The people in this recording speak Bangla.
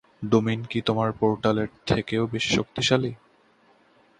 ডোমেইন কী তোমার পোর্টালের থেকেও বেশি শক্তিশালী?